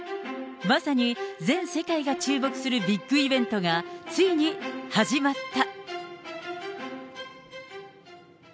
まさに全世界が注目するビッグイベントが、ついに始まった。